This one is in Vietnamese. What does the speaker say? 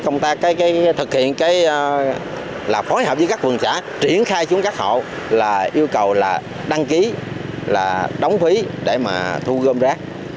công ty của mình cũng đã có công tác thực hiện là phối hợp với các quần xã triển khai xuống các hộ là yêu cầu là đăng ký là đóng phí để mà thu gom rác